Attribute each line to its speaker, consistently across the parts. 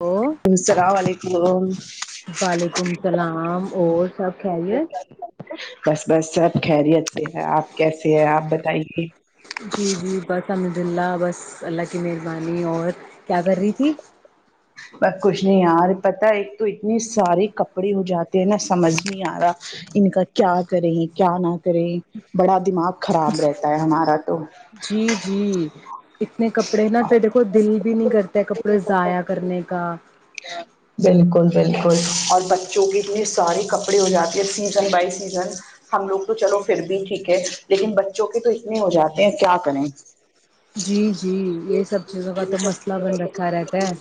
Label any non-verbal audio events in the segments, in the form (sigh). Speaker 1: hello
Speaker 2: السلام علیکم
Speaker 1: وعلیکم السلام اور سب خری ہے
Speaker 2: بس سب خیریت سے ہے آپ کیسے ہے آپ بتائیے
Speaker 1: جی جی بس س عبدلہ بس اللہ کی مہربانی اور کیا کر رہی تھی
Speaker 2: بس کچھ نہیں آ رہے پتا ایک تو اتنے سارے کپڑے ہو جاتے ہیں نا سمجھ نہیں آ رہا ان کا کیا کریں کیا نہ کری بڑا دماغ خراب رہتا ہے ہمارا تو
Speaker 1: جی جی اتنے کپڑے نا پھر دیکھو دل بھی نہیں کرتے کپڑے ضائع کرنے کا
Speaker 2: بالکل بالکل اور بچوں کے اتنے ساری کپڑے ہو جاتے ہیں سیزن بائی سیزن ہم لوگ تو چلو پھر بھی ٹھیک ہے لیکن بچوں کے تو اتنے ہو جاتے ہیں کیا کریں
Speaker 1: جی جی یہ سب چیزوں کا تو مسئلہ بن رکھا رہتا ہے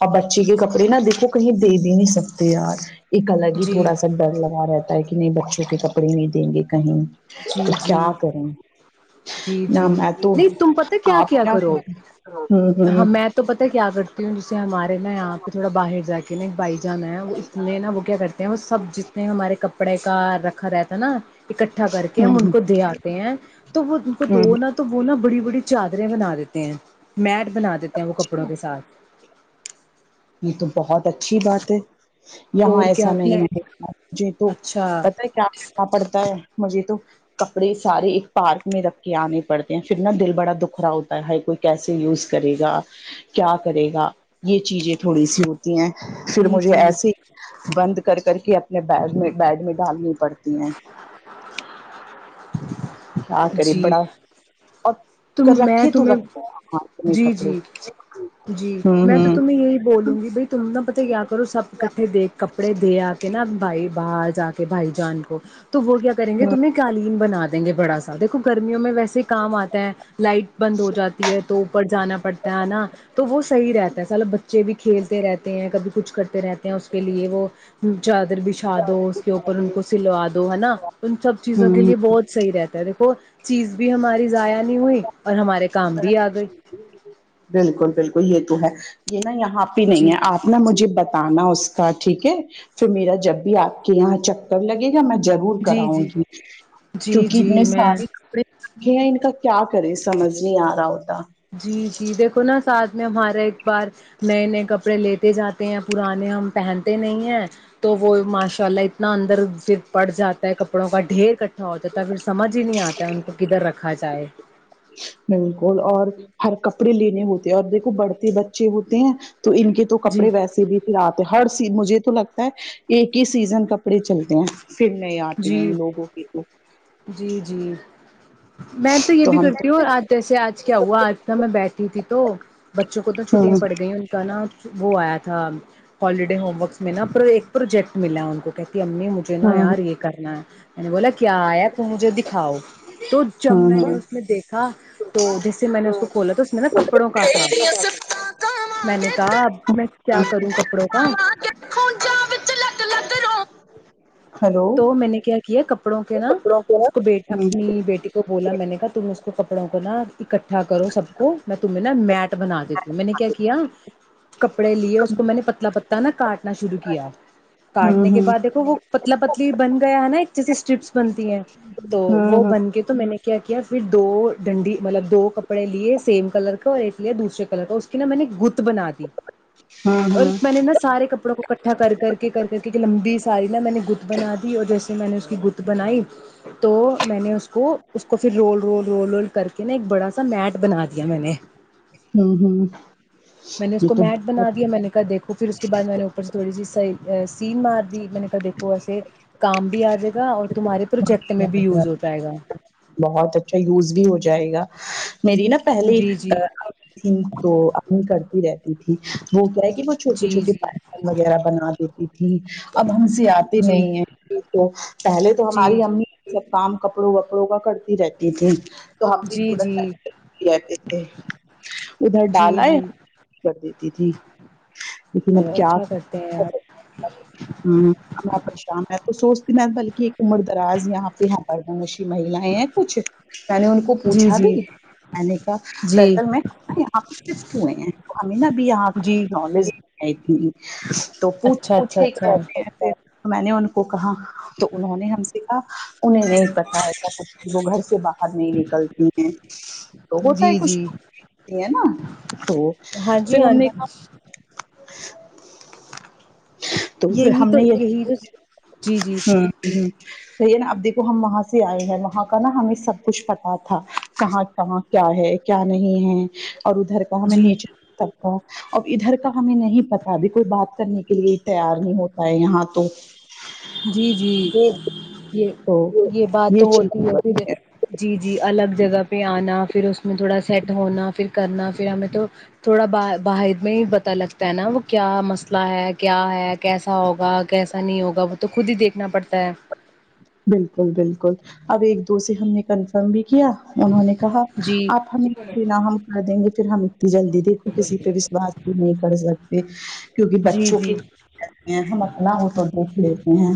Speaker 2: اور بچے کپڑے نہ دیکھو کہیں دے بھی نہیں سکتے یار ایک الگ ہی
Speaker 1: جی
Speaker 2: تھوڑا سا ڈر لگا رہا ہے تھا کہ نہیں بچوں کے کپڑے نہیں دیں گے کہیں تو
Speaker 1: جی جی
Speaker 2: کیا کروں
Speaker 1: جی جی نہیں تم پت کیا کیا کرو ہ میں تو پتا کیا کرتی ہوں جسے ہمار ا یہاں پہ تھڑا باہر جا کے ا بائی جانا ہے وہ اتنے نا وہ کیا کرتے ہیں وہ سب جتنے ہمارے کپڑے کپڑے کا رکھا رہتا نا اکٹھا کر کے ہم ان کو دے آتے ہیں ان کو
Speaker 2: ہ
Speaker 1: دو نا تو وہ ا بڑی بڑی چادریں بنا دیتے ہیں میٹ بنا دیتے ہیں وہ کپڑوں کے ساتھ
Speaker 2: یہ تو بہت اچھی بات ہے یہاں
Speaker 1: اور کیا
Speaker 2: ایسا
Speaker 1: میں
Speaker 2: نہیں ہے مجھے تو
Speaker 1: اچھا
Speaker 2: پت ہے کیا کرنا پڑتا ہے مجھے تو کپڑے سارے ایک پارک میں رکھ کے آنے پڑتے ہیں پھر نا دل بڑا دکھ رہا ہوتا ہے ہائی کوئی کیسے یوز کرے گا کیا کرے گا یہ چیزیں تھوڑی سی ہوتی ہیں پھر
Speaker 1: جی
Speaker 2: مجھے
Speaker 1: جی
Speaker 2: ایسیے بند کر کر کے اپ بیڈ میں بیڈ میں ڈالنی پڑتی ہیں کیا کرے
Speaker 1: جی
Speaker 2: بڑا
Speaker 1: تم
Speaker 2: اور
Speaker 1: میں
Speaker 2: رکھے تو
Speaker 1: تمہیں
Speaker 2: رکھتے ہیں ہاتھ میں
Speaker 1: جی
Speaker 2: کپڑے
Speaker 1: جی جی میں تو
Speaker 2: ہ
Speaker 1: تمہیں یہی بولوں گی بائی تم نہا پت کیا کرو سب ککٹھے د کپڑے دے آ کے نا بھائی باز جا کے بھائی جان کو تو وہ کیا کریں گے تمہ نے قالین بنا دیا دیں گے بڑا سا دیکھو گرمیوں میں ویسے ہی کام آتا ہے لائٹ بند ہو جاتی ہے تو اوپر جانا پڑتا ہے ہے نا تو وہ صحیح رہتا ہے سالب بچے بھی کھیلتے رہتے ہیں کبھی کچھ کرتے رہتے ہیں اس کے لیے وہ چادر بچھا دو اس کے اوپر ان کو سلوا دو تو ہے نا ان سب چیزوں کے
Speaker 2: ہ
Speaker 1: لیے بہت صحیح رہتا ہے دیکھو چیز بھی ہماری ضائع نہیں ہوئی اور ہمارے کام بھی آ گئی
Speaker 2: بالکل بالکل یہ تو ہے جی یہاں پہ نہیں
Speaker 1: جی
Speaker 2: ہے آپ نے مجھے بتا ناا اس کا ٹھیک ہے پھر میرا جب بھی آپ کے یہاں چکر لگے میں ضرور
Speaker 1: جی
Speaker 2: کراؤں
Speaker 1: جی
Speaker 2: گی
Speaker 1: جی
Speaker 2: کیونک اتنے
Speaker 1: جی میں
Speaker 2: سارے کپڑے کہ ان کا کیا کرے اس سمجھ نہیں آ رہا ہو
Speaker 1: جی جی دیکھو نا ساتھ میں ہمارے ایک بار نئے نئے کپڑے لیتے جاتے ہیں پرانے ہم پہنتے نہیں ہیں تو وہ ماشاء اللہ اتنا اندر پھر پڑ جاتا ہے کپڑوں کا ڈھیر کٹ ہو توتا پھر سمجھ ہی نہیں آتا ہے ان کو کدھر رکھا جائے
Speaker 2: بالکل اور ہر کپڑے لینے ہوتے ہیں اور دیکھو بڑھتے بچے ہوتے ہیں تو ان کے تو
Speaker 1: جی
Speaker 2: کپڑے ویسے بھی ت آتے ہیں ہر سی مجھے تو لگتا ہے ایک ہی سیزن کپڑے چلتے ہیں پھر نئے اتے
Speaker 1: جی
Speaker 2: ہیں ان لوگوں کے
Speaker 1: جی جی میں تو یہ بھی کرتی ہوں آج جیسے آج کیا ہوا آج تھا میں بیٹھی تھی تو بچوں کو تو چھٹیاں پڑ گئ ان کا نا وہ آیا تھا الریڈی ہوم ورک میں نا پرو ایک پروجیکٹ ملا ہے ان کو امی مجھے نا
Speaker 2: ہ
Speaker 1: یار یہ کرنا ہے میں نے بولا کیا ہے تو مجھے دکھاؤ تو جب میں
Speaker 2: ہ
Speaker 1: نے
Speaker 2: ہ
Speaker 1: اس میں دیکھا تو جیسے میں نے اس کو بولا تھا اس میں نا کپڑوں کا تھا
Speaker 2: ہلو
Speaker 1: میں نے کہا اب میں کیا کروں کپڑوں کا
Speaker 2: ہ ہلو
Speaker 1: تو میں نے کیا کیا کپ کپڑوں کے نا اس کو بی اپنی بیٹی تو بولا میں نے کہا تم اس کو کپڑوں کو نا اکٹھا کرو سب کو میں تمہیں نا میٹ بنا دیتی ہوں میں نے کیا کیا کپڑے لیے اس کو میں نے پتلا پتا نا کاٹنا شروع کیا
Speaker 2: ہ
Speaker 1: کاٹنے کے بعد دیکھو وہ پتلا پ بن گیا ہے نا ایک جیسے اسٹرپس بنتی ہیں تو وہ بن کے تو میں نے کیا کیا پھر دو ڈنڈی مطلب دو کپڑے لیے سیم کلر کا اور ایک لیے دوسرے کلر کا اس کی نا میں نے گ بنا دی
Speaker 2: ہ ہ ہ
Speaker 1: اور
Speaker 2: ہ
Speaker 1: میں نے نا سارے کپڑوں کو اٹھا کر کے کر کر کے ایک لمبی سے ساری نا میں نے گ بنا دی اور جیسے میں نے اس کی گت بنائی تو میں نے اس کو اس کو پھر رول رول رول رول کر کے نا ایک بڑا سا میٹ بنا دیا میں نے میں نے اس
Speaker 2: یہ
Speaker 1: کو
Speaker 2: تو
Speaker 1: میٹ بنا دیا میں نے کہ دیکھو پھر اس کے بعد میں نے اوپر سے تھوڑی سی س سی مار دی میں نے کہ دیکو کام بھی آ جائے اور تمہارے پروجیکٹ میں بھی
Speaker 2: بہت
Speaker 1: یوز ہو جائے گا
Speaker 2: بہت اچھا یوز بھی ہو جائے گا میری نا پہلے
Speaker 1: جی جی
Speaker 2: ا تھی تو امی کرتی رہتی تھی وہ کیا ہے کہ وہ چھوٹی
Speaker 1: جی
Speaker 2: چھوٹی
Speaker 1: جی
Speaker 2: پ وغیرہ بنا دیتی تھی اب ہم سے آتے
Speaker 1: جی
Speaker 2: نہیں ہیں تو پہلے تو ہماری
Speaker 1: جی
Speaker 2: امی کام کپڑوں وپڑوں کا کرتی رہتی تھی تو ہم بھی تھڑا تھ
Speaker 1: جی جی جی
Speaker 2: ادھر ڈال ہے
Speaker 1: جی
Speaker 2: کر دیتی تھی لیکن اب
Speaker 1: چلو
Speaker 2: کیا
Speaker 1: اچھا کرتے ہیں آپ
Speaker 2: ہم پر شام ہے تو سوچتی مر دراز یہاں پہ یہاں پر مش ہیں کچھ میں نے ان کو
Speaker 1: جی
Speaker 2: پوچھا بھی
Speaker 1: جی
Speaker 2: میں نے کہا
Speaker 1: جی
Speaker 2: سر میں ہیں امنہ بھی
Speaker 1: جی
Speaker 2: نارملی تو پوچھ
Speaker 1: اچھا
Speaker 2: پوچھ
Speaker 1: اچھا اچھا
Speaker 2: کے تو میں نے ان کو کہا تو انہوں نے ہم سے کہا انہیں نہیں پتا ہے کیا وہ گھر سے باہر نہیں نکلتی ہیں تو ہوتا ہے
Speaker 1: جی
Speaker 2: کچھ
Speaker 1: جی
Speaker 2: ہے نا تو
Speaker 1: ہاں
Speaker 2: پھر
Speaker 1: جی ہاں
Speaker 2: ہم نے کہا ہ
Speaker 1: یہی تو یہی تو جی جی
Speaker 2: کہی نا اب دیکھو ہم وہاں سے آئے ہیں وہاں کا نا ہمیں سب کچھ پتا تھا کہاں کہاں کیا ہے کیا نہیں ہے اور ادھر کا ہمیں
Speaker 1: جی
Speaker 2: نیچر سب کا اب ادھر کا ہمیں نہیں پتا ابھی کوئی بات کرنے کے لیے تیار نہیں ہوتا ہے یہاں تو
Speaker 1: جی جی یہ
Speaker 2: تو
Speaker 1: یہ بات تو
Speaker 2: چیز
Speaker 1: ہوتی ہے پھر جی جی الگ جگہ پہ آنا پھر اس میں تھوڑا سیٹ ہونا پھر کرنا پھرام میں تو تھوڑا ب باہر میں پتا لگتا ہے نا وہ کیا مسئلہ ہے کیا ہے کیسا ہوگا کیسا نہیں ہوگا بابو تو خود ہی دیکھنا پڑتا ہے
Speaker 2: بالکل بالکل اب ایک دو سے ہم نے کنفرم بھی کیا انہوں نے کہا
Speaker 1: جی
Speaker 2: آپ ہمیں بنا ہم کر دیں گے ھر ہم ت جلد دیکھو کسی پہ وشواس بھی نہیں کر ستی (unintelligible) کیونکہ
Speaker 1: جی
Speaker 2: بچوں
Speaker 1: جی
Speaker 2: کی کرتے ہیں ہم اپنا ہو تو دیکھ لیتے ہیں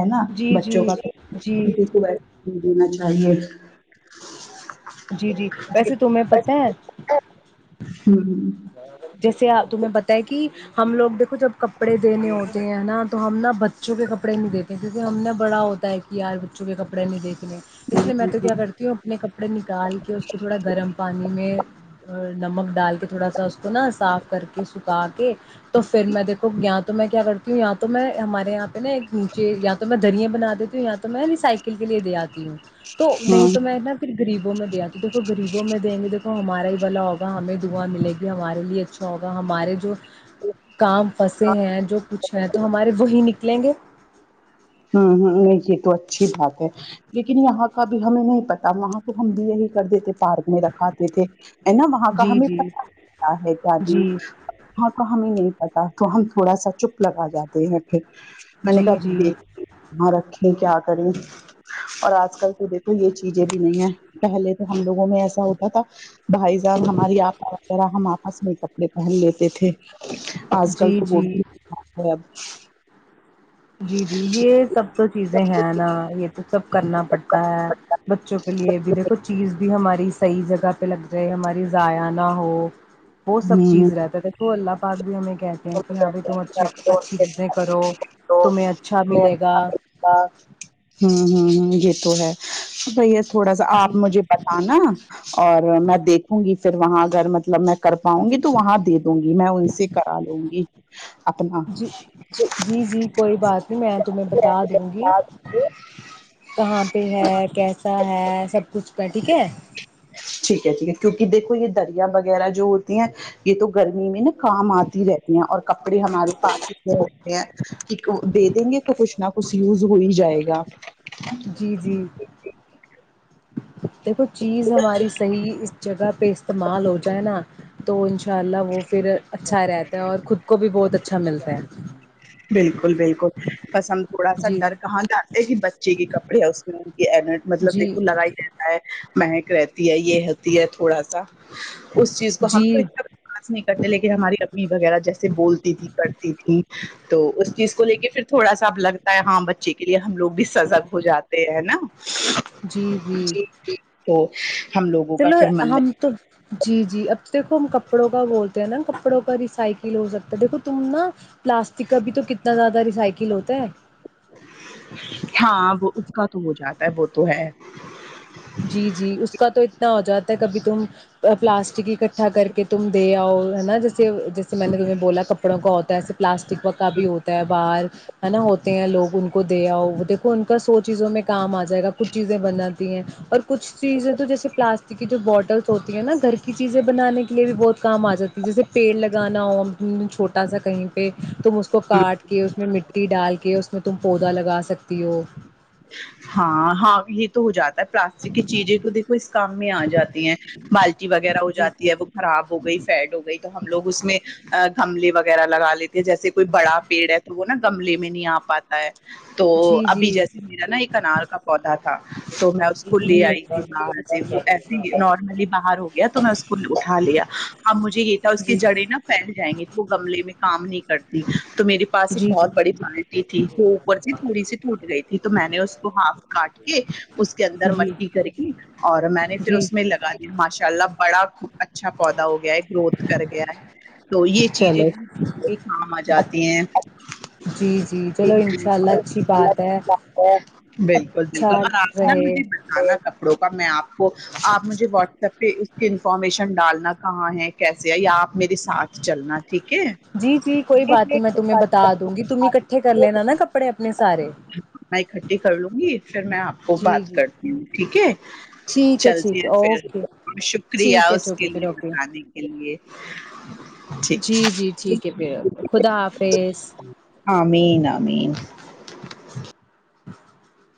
Speaker 2: ہے نا
Speaker 1: جی جی جی
Speaker 2: (unintelligible) لینا چاہیے
Speaker 1: جی جی ویسے تمہیں پت ہے جیسے آپ تمہیں پتاہ ہے کہ ہم لوگ دیکھو جب کپڑے دینے ہوتے ہیں نا تو ہم نا بچوں کے کپڑے نہیں دیتے جیے ہم نے بڑا ہوتا ہے کہ یار بچوں کے کپڑے نہیں دتے اس لیے میں تو کیا کرتی ہوں اپنے کپڑے نکال کے اس کو تھوڑا گرم پانی میں نمک ڈال کے تھوڑا کونا صاف کر کے سکا کے تو پھر میں دیکھو گیان تو میں کیا کرتی ہوں یا تو میں ہمارے یہاں پہ نا ایک نیچے یا تو میں دریا بنا دیتی ہوں یا تو میں ریسائیکل کے لیے دے آتی ہوں تو نہیں تو میں نا پھر غریبوں میں دیا تو دیکو غریبوں میں دیں گے دیکھ تو ہمارا ہی بلا ہوگا ہمیں دعاں ملے گی ہمارے لیے اچھا ہوگا ہمارے جو کام پھنسے ہیں جو کچھ ہے تو ہمارے وہی نکلیں گے
Speaker 2: ہ ہ نہیں یہ تو اچھی بات ہے لیکن یہاں کا بھی ہمیں نہیں پتا وہاں کو ہم بی یہی کر دیتے پارک میں رکھاتے تھے نا وہاں کا
Speaker 1: جی
Speaker 2: ہمیں
Speaker 1: جی
Speaker 2: پتتا ہے کیاد
Speaker 1: جی
Speaker 2: وہاں کا ہمیں نہیں پ تو ہم تھوڑا سا چپ لگا جاتے ہیں پھر میں نے
Speaker 1: جی
Speaker 2: کہا
Speaker 1: جی
Speaker 2: دیکھ وہاں رکھیں کیا کریں اور آج کل تو دیکھو یہ چیزیں بھی نہیں ہے پہلے تو ہم لوگوں میں ایسا ہوتا تھا بھائی صحب ہماری آ ہم آپ ہس میں کپڑے پہن لیتے تھے آج کل
Speaker 1: جی
Speaker 2: تو ووڈ
Speaker 1: جی جی جی یہ سب تو چیزیں ہیں نا یہ تو سب کرنا پڑتا ہے بچوں کے لیے بھی دیکھو چیز بھی ہماری صحیح جگہ پہ لگ رہے ہماری زائ نہہ ہو وہ سب چیز رہتا ہے دیکھو اللہ بات بھی ہونے کہتے ہیں کہ ہاں بھیائی تم اچھھیے
Speaker 2: اب
Speaker 1: اچھی
Speaker 2: ہوں
Speaker 1: چیزیں کرو
Speaker 2: تو
Speaker 1: تمہیں اچھا ملے گا
Speaker 2: اچھاتا ہے ب تھوڑا سا آپ
Speaker 1: جی
Speaker 2: مجھے بتانا اور میں دیکھوں گی پھر وہاں اگر مطلب میں کر پاؤں گی تو وہاں دے دوں گی میں ان سے کر
Speaker 1: جی جی جی کوئی بات نہیں میں تمہیں بتا دوں گی کہاں پہ ہے کیسا ہے سب کچھ پہ ٹھیک ہے
Speaker 2: ٹھیک ہے کیونکہ دیکھو یہ دریا وغیرہ جو ہوتی ہیں یہ تو گرمی میں نا کام آتی رہتی ہیں اور کپڑے ہمارے پاس اتنے رہتے ہیں کہ دے دیں گے کہ کچھ نہ کچھ یوز ہو ہی جائے گا
Speaker 1: جی جی دیکھو چیز ہماری صحیح اس جگہ پہ استعمال ہو جائے نا تو ان ان شاء اللہ وہ پھر اچھا اچھا رہتا ہے اور خود کو بھی بہت اچھا ملتا ہے
Speaker 2: بالکل بالکل پسند تھوڑا سا
Speaker 1: جی
Speaker 2: ڈر کہاں جاتے ہی بچے کے ک ابی اؤس ہے یہ مطلب
Speaker 1: جی
Speaker 2: دیکھو لگاائی جاتا ہے مہک رہتی ہے یہ ہوتی ہے تھوڑا سا اس چیز کو ہم کو
Speaker 1: جی
Speaker 2: اتنا بس نہیں کرتے لیکن ہماری اپنی وغیرہ جیسے بولتی تھی کرتی تھی اس چیز کو ل کے پھر تھوڑا سا لگتا ہے ہاں بچے کے لیے ہم لوگ بھی سزگ ہو جاتے ہیں نا
Speaker 1: جی جی
Speaker 2: تو ا
Speaker 1: چلو ہم تو جی جی اب دیکھو ہم ک کپڑوں کا بولتے ہیں نا کپڑوں کا ریسائکل ہو سکتا ہے دیکھو تم نا پلاسٹک کا بھی تو کتنا زیادہ ریسائکل ہوتا ہے
Speaker 2: ہاں وہ اس کا تو ہو جاتا ہے ب
Speaker 1: جی جی اس کا تو اتنا ہو جاتا ہے کبھی تم پلاسٹک اکٹھا کر کے تم دے آؤ ہے نا جس جیسے میں نے تمہیں بولا کپڑوں کا ہوتا ہے ایس پلاسٹک کا بھی ہوتا ہے باہال ہے نا ہوتے ہیں لوگ ان کو دےیا دیکھو ان کا سو چیزوں میں کام آ جائے گا کچھ چیزیں بناتی ہیں اور کچھ چیزیں تو جیسے پلاسٹک کی جو بوٹلس ہوتی ہیں نا گھر کی چیزیں بنانے کے لیے بھی بہت کام آ جاتی ہیں جیسے پیڑ لگانا ہو چھوٹ سا کہیں پہ تم اس کو
Speaker 2: ہ
Speaker 1: کاٹ کے اس میں مٹی مٹی ڈال کے اس میں تم پودا لگا سکتی ہو
Speaker 2: ہاں ہاں یہ تو ہو جاتا ہے پلاسٹک کی چیزیں کو دیکھو اس کام میں آ جاتی ہیں بالٹی وغیرہ ہو
Speaker 1: جی
Speaker 2: جاتی ہے وہ خراب ہو گئی فیڈ ہو گئی تو ہم لوگ اس میں گملے وغیرہ لگا لیتے ہیں جیسے کوئی بڑا پیڑ ہے تو وہ نا گمل میں نہیں آ پاتا ہے تو
Speaker 1: جی
Speaker 2: ابھی
Speaker 1: جی
Speaker 2: جیسے نا ایک انار کا پودا تھا تو میں اس کو لے
Speaker 1: جی
Speaker 2: آئی تھی باہر سے وہ ایسے نارملی باہر ہو گیا تو میں اس کو اٹھا لیا اب مجھے یہ تھا اس کے جڑے نا پھیل جائیں گے وہ گملے میں کام نہیں کر کرتی تو میرے پاس ایک
Speaker 1: جی جی جی
Speaker 2: بہت بڑی بالٹی تھی جو اوپر سے تھوڑی سی ٹوٹ گئی تھی میں نے اس کو ہاف کاٹ کے اس کے اندر
Speaker 1: جی
Speaker 2: مٹی کر کے اور میں نے پھر
Speaker 1: جی
Speaker 2: اس میں لگا دیا ماش ان شاء اللہ بڑا اچھا پودا ہو گیا ہے گروتھ کر گیا ہے تو یہ چیزیں
Speaker 1: چلو
Speaker 2: کام آ
Speaker 1: اچ-
Speaker 2: جاتی ہیں
Speaker 1: جی جی چلو
Speaker 2: بالکل
Speaker 1: انشاء اللہ اچھی بات ہے
Speaker 2: بالکل
Speaker 1: اچھا
Speaker 2: آرام
Speaker 1: رہے
Speaker 2: مجھے با کپڑوں کا میں آپ کو آپ مجھے واٹس ایپ پہ اس کی انفارمیشن ڈالنا کہاں ہے کیسے ہے یا آپ میرے ساتھ چلنا ٹھیک ہے
Speaker 1: جی جی کوئی بات نہیں میں تمہیں بتا دوں گی تم اکٹھے کر لینا نا کپڑے اپنے سارے
Speaker 2: میں اکٹھی کر لوں گی پھر میں آپ کو
Speaker 1: جی
Speaker 2: بات
Speaker 1: جی
Speaker 2: کرتی ہوں ٹھیک ہے
Speaker 1: ٹھیک
Speaker 2: چلتی
Speaker 1: ٹھیک
Speaker 2: ہے پھر
Speaker 1: اوکے
Speaker 2: شکریہ
Speaker 1: ٹھیک ہے
Speaker 2: اس
Speaker 1: ٹھیک ہے
Speaker 2: کے
Speaker 1: پھر اوکے
Speaker 2: لیےانے کے لیے (unintelligible)
Speaker 1: جی جی ٹھیک ہے پھر خدا حافظ
Speaker 2: آمین آمین
Speaker 1: (inaudible)